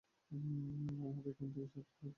আমরা এখান থেকে সাত কালাশ দেখতে পাচ্ছি।